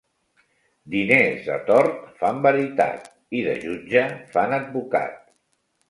Diners de tort fan veritat, i de jutge fan advocat.